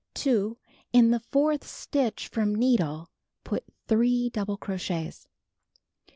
2. In the fourth stitch from needle, put 3 double crochets.